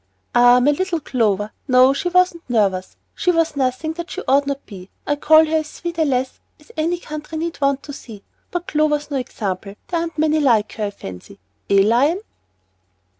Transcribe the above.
"Ah! my little Clover, no, she wasn't nervous. She was nothing that she ought not to be. I call her as sweet a lass as any country need want to see. But Clover's no example; there aren't many like her, I fancy, eh, Lion?"